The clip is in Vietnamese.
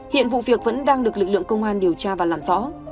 hiện vụ việc vẫn đang được lực lượng công an điều tra và làm rõ